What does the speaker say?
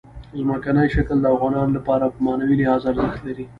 ځمکنی شکل د افغانانو لپاره په معنوي لحاظ ارزښت لري.